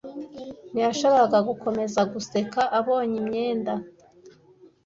Ntiyashoboraga gukomeza guseka abonye imyenda.